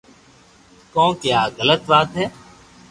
ڪون ڪي آ غلط وات ھي